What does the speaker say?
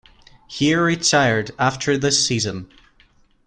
He retired after the season.